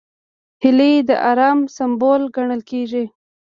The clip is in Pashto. هیلۍ د ارام سمبول ګڼل کېږي